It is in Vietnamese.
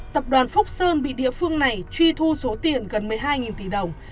tập đoàn phúc sơn bị địa phương này truy thu số tiền gần một mươi hai tỷ đồng